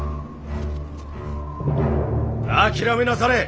諦めなされ。